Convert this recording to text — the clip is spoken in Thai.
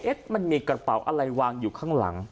เอาอะไรวางอยู่ข้างหลัง